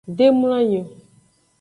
De mloanyi.